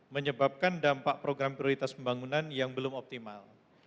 menyebabkan dampak program prioritas pembangunan yang belum optimal